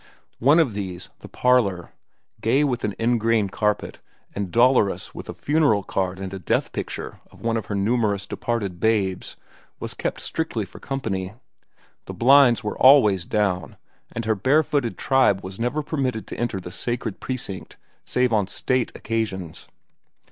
One of these, the parlor, gay with an ingrain carpet and dolorous with a funeral card and a death picture of one of her numerous departed babes, was kept strictly for company. The blinds were always down, and her barefooted tribe was never permitted to enter the sacred precinct save on state occasions.